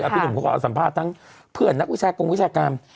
พี่หนุ่มเขาก็เอาสัมภาษณ์ทั้งเพื่อนนักวิชากงวิชาการ